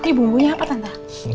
ini bumbunya apa tante